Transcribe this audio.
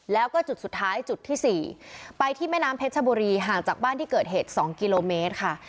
แล้วก็จุดสุดท้ายจุดที่๔ไปที่แม่น้ำเพชรชบุรีห่างจากบ้านที่เกิดเหตุ๒กิโลเมตรค่ะ